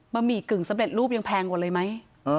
หมี่กึ่งสำเร็จรูปยังแพงกว่าเลยไหม